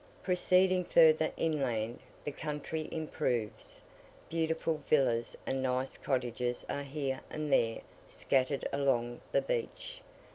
Proceeding further inland, the country improves: beautiful villas and nice cottages are here and there scattered along the beach.